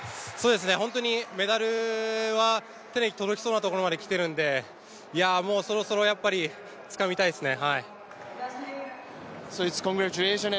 本当にメダルは手に届きそうなところまできているので、そろそろやっぱりつかみたいですね。